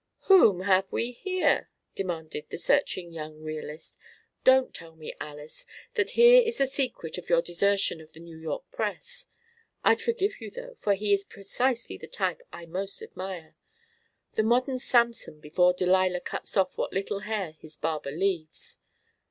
"Whom have we here?" demanded the searching young realist. "Don't tell me, Alys, that here is the secret of your desertion of the New York press. I'd forgive you, though, for he is precisely the type I most admire. The modern Samson before Delilah cuts off what little hair his barber leaves.